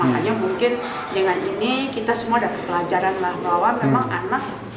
makanya mungkin dengan ini kita semua dapat pelajaran lah bahwa memang anak